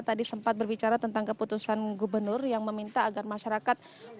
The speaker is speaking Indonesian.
tadi sempat berbicara tentang keputusan gubernur yang meminta agar masyarakat